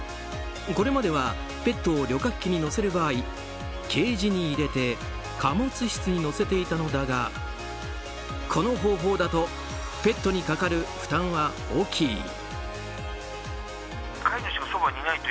これまではペットを旅客機に乗せる場合ケージに入れて貨物室に乗せていたのだがこの方法だとペットにかかる負担は大きい。